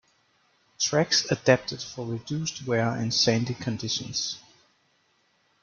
Tracks adapted for reduced wear in sandy conditions.